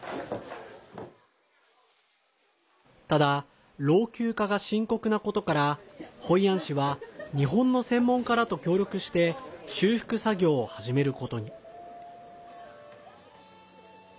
ただ、老朽化が深刻なことからホイアン市は日本の専門家らと協力して修復作業を始めることに。